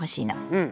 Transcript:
うん。